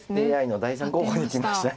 ＡＩの第３候補にいきました。